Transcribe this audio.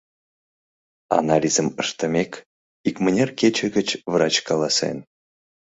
Анализым ыштымек, икмыняр кече гыч врач каласен: